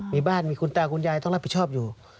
มีบ้านมีคุณตาคุณยายต้องรับผิดชอบอยู่